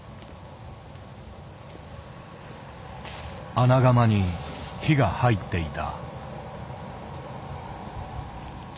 穴窯に火が入っていた。